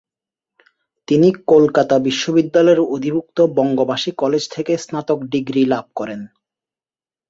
তিনি কলকাতা বিশ্ববিদ্যালয়ের অধিভুক্ত বঙ্গবাসী কলেজ থেকে স্নাতক ডিগ্রি লাভ করেন।